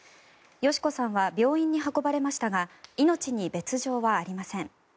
美子さんは病院に運ばれましたが命に別条はありません。